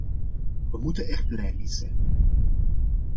We moeten er blij mee zijn.